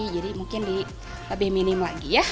jadi mungkin lebih minim lagi ya